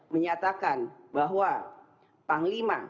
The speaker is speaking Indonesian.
menyatakan bahwa panglima